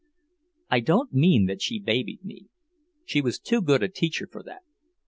I don't mean that she babied me. She was too good a teacher for that.